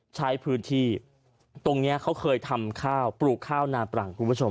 ใช้พื้นที่ตรงนี้เขาเคยทำข้าวปลูกข้าวนาปรังคุณผู้ชม